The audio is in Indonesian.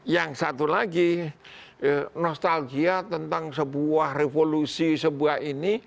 yang satu lagi nostalgia tentang sebuah revolusi sebuah ini